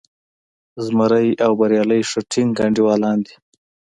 زمری او بریالی ښه ټینګ انډیوالان دي.